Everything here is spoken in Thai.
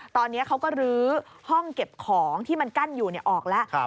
ตอนนี้เขาก็ลื้อห้องเก็บของที่มันกั้นอยู่ออกแล้ว